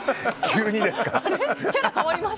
急にですか。